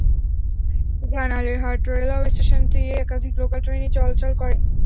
জান আলীর হাট রেলওয়ে স্টেশন দিয়ে একাধিক লোকাল ট্রেন চলাচল করে।